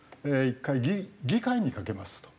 １回議会にかけますと。